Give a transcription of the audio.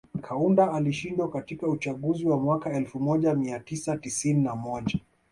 Kaunda alishindwa katika uchaguzi wa mwaka elfu moja mia tisa tisini na moja